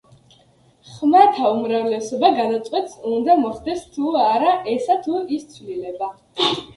ხმათა უმრავლესობა გადაწყვეტს უნდა მოხდეს თუ არა ესა თუ ის ცვლილება.